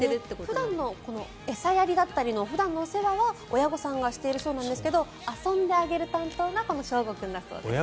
普段の餌やりだったり普段のお世話は親御さんがしているそうですが遊んであげる担当がこのしょうご君だそうです。